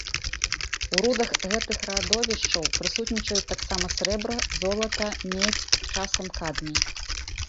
У рудах гэтых радовішчаў прысутнічаюць таксама срэбра, золата, медзь, часам кадмій.